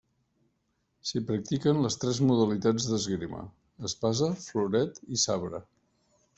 S'hi practiquen les tres modalitats d'esgrima: espasa, floret i sabre.